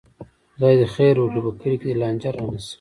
خدای دې خیر وکړي، په کلي کې دې لانجه نه راشي.